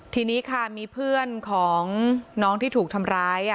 ทีนี้ค่ะมีเพื่อนของน้องที่ถูกทำร้าย